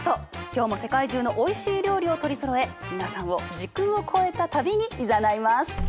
今日も世界中のおいしい料理を取りそろえ皆さんを時空を超えた旅にいざないます！